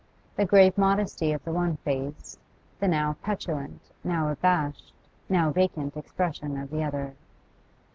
The grave modesty of the one face, the now petulant, now abashed, now vacant expression of the other.